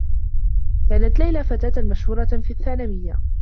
كانت ليلى فتاة مشهورة في الثّانويّة.